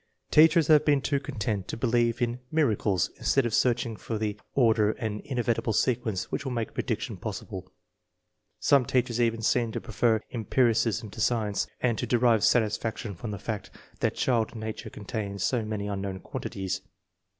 Teachers have been too content to believe 136 INTELLIGENCE OF SCHOOL CHILDEEN in "miracles," instead of searching for the order and inevitable sequence which will make prediction possible. Some teachers even seem to prefer empiri cism to science, and to derive satisfaction from the fact that child nature contains so many unknown quantities.